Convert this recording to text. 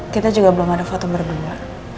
kita juga belum ada foto berdua